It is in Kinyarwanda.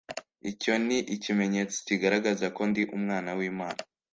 icyo ni ikimenyetso kigaragaza ko ndi Umwana w'Imana.